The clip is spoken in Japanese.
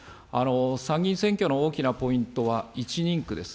参議院選挙の大きなポイントは１人区です。